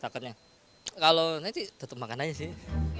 kalau nanti tetap makan aja sih